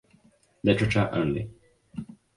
Literature only!